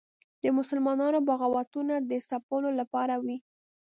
د مسلمانانو بغاوتونو د ځپلو لپاره به وي.